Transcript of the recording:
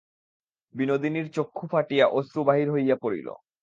বিনোদিনীর চক্ষু ফাটিয়া অশ্রু বাহির হইয়া পড়িল।